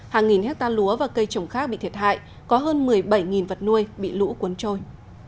hàng nghìn hecta lúa và cây trồng khác bị thiệt hại có hơn một mươi bảy vật nuôi bị lũ cuốn trôi